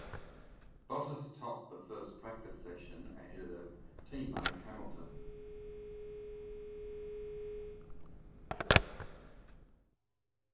Bottas topped the first practice session ahead of teammate Hamilton.